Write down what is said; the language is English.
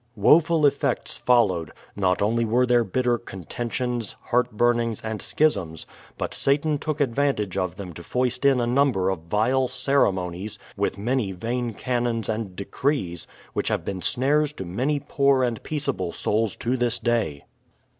Woful effects followed ; not only were there bitter contentions, heartburnings, and schisms, but Satan took advantage of them to foist in a number of vile ceremonies, with many vain canons and de crees, which have been snares to many poor and peace able souls to this day.